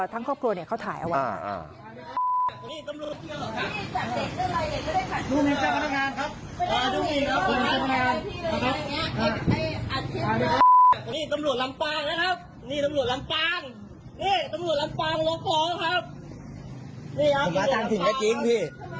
ครอบครัวเนี่ยเขาถ่ายเอาไว้